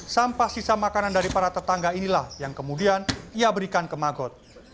sampah sisa makanan dari para tetangga inilah yang kemudian ia berikan ke magot